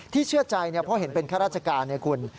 ที่เชื่อใจเพราะเห็นเป็นแค่ราชการคุณ